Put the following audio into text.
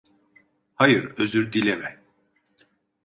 Hayır, özür dileme.